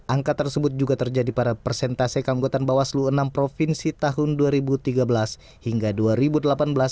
angka tersebut juga terjadi pada persentase keanggotaan bawaslu enam provinsi tahun dua ribu tiga belas hingga dua ribu delapan belas